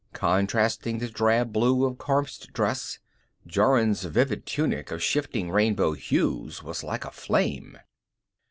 Contrasting the drab blue of Kormt's dress, Jorun's vivid tunic of shifting rainbow hues was like a flame.